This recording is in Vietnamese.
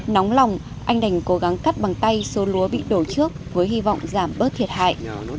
nóng lòng anh đành cố gắng cắt bằng tay số lúa bị đổ trước với hy vọng giảm bớt thiệt hại